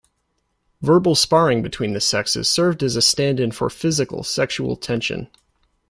Verbal sparring between the sexes served as a stand-in for physical, sexual tension.